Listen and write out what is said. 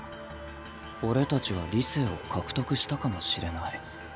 俺たちは理性を獲得したかもしれない。